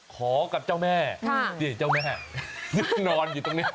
ขอกับเจ้าแม่นี่เจ้าแม่นอน